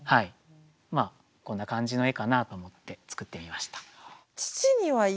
まあこんな感じの絵かなと思って作ってみました。